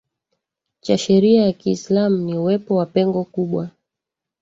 cha sheria ya Kiislamu ni uwepo wa pengo kubwa